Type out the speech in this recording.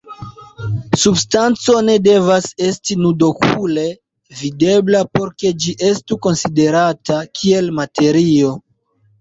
Substanco ne devas esti nud-okule videbla por ke ĝi estu konsiderata kiel materio.